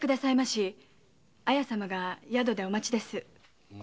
あの綾様が宿でお待ちです。